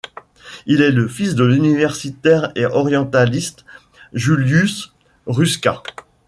Il est fils de l'universitaire et orientaliste Julius Ruska.